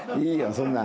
そんなん。